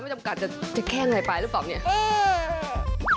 ไม่จำกัดจะแก้หน่อยปาหรือเปล่า